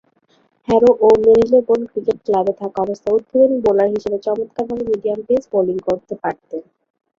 Harrow ও Marylebone cricket ক্লাবে থাকাবস্থায় উদ্বোধনী বোলার হিসেবে চমৎকারভাবে মিডিয়াম পেস বোলিং করতে পারতেন।